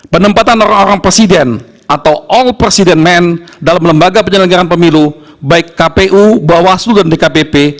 penempatan orang orang presiden atau all president men dalam lembaga penyelenggara pemilu baik kpu bawaslu dan dkpp